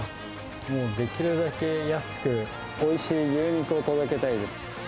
もうできるだけ、安くおいしい牛肉を届けたいです。